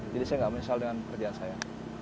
jadi saya nggak menyesal dengan kerjaan saya